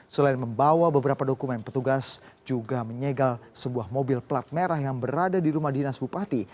selain membawa beberapa dokumen petugas juga menyegal sebuah mobil plat merah yang berada di rumah dinas bupati